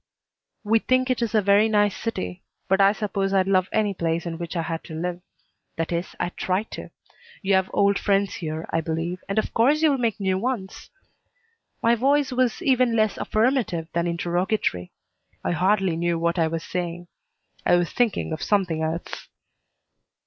"We think it a very nice city, but I suppose I'd love any place in which I had to live. That is, I'd try to. You have old friends here, I believe, and of course you'll make new ones." My voice was even less affirmative than interrogatory. I hardly knew what I was saying. I was thinking of something else.